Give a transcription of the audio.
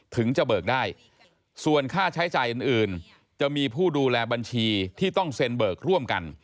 ถึงจะเบิกได้ส่วนค่าใช้จ่ายอื่นจะมีผู้ดูแลบัญชีที่ต้องเซ็นเบิกร่วมกัน